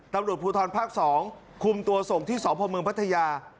ตำรวจภูทรภาค๒คุมตัวส่งที่สพเมืองพัทยา